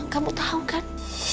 kamu tau kan